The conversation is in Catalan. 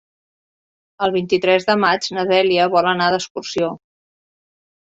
El vint-i-tres de maig na Dèlia vol anar d'excursió.